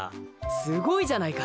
すごいじゃないか。